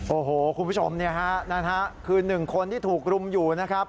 โอ้โหคุณผู้ชมคือ๑คนที่ถูกรุมอยู่นะครับ